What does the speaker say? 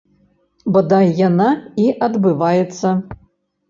Бадай, яна і адбываецца.